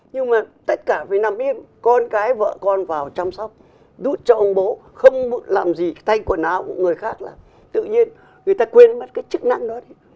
nhưng mà tất cả phải nằm yên con cái vợ con vào chăm sóc đút cho ông bố không làm gì tay quần áo của người khác là tự nhiên người ta quên mất cái chức năng đó